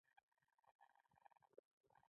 حقیقت بل څه و.